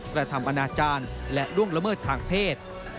กระทำอนาจารย์และล่วงละเมิดทางเพศ